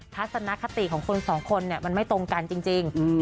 ทัศนคตีของคนสองคนนั้นไม่ตรงกันจริง